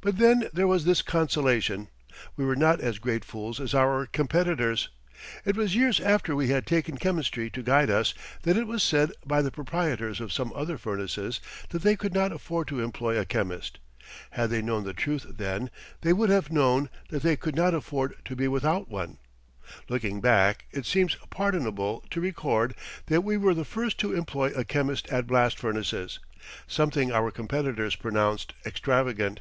But then there was this consolation: we were not as great fools as our competitors. It was years after we had taken chemistry to guide us that it was said by the proprietors of some other furnaces that they could not afford to employ a chemist. Had they known the truth then, they would have known that they could not afford to be without one. Looking back it seems pardonable to record that we were the first to employ a chemist at blast furnaces something our competitors pronounced extravagant.